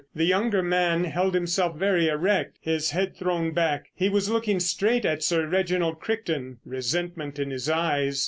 The younger man held himself very erect, his head thrown back; he was looking straight at Sir Reginald Crichton, resentment in his eyes.